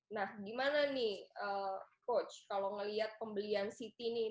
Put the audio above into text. nah gimana nih coach kalau melihat pembelian city nih